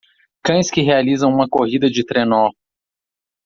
Cães que realizam uma corrida de trenó